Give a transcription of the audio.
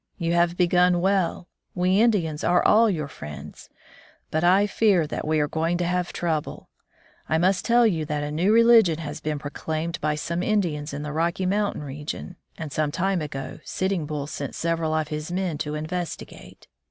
You have begun well; we Indians are all your friends. But I fear that we are going to have trouble. I must tell you that a new religion has been 82 A Doctor among the Indians proclaimed by some Indians in the Rocky Momitain region, and some time ago, Sitting Bull sent several of his men to investigate.